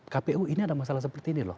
kpu ini ada masalah seperti ini loh